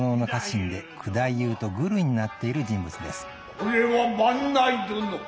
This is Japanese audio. これは伴内殿。